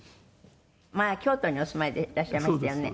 「前京都にお住まいでいらっしゃいましたよね」